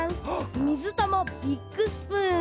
みずたまビッグスプーン。